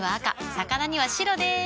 魚には白でーす。